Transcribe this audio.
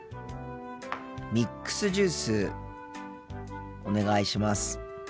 ミックスジュースお願いします。